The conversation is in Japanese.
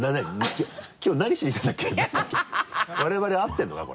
我々合ってるのか？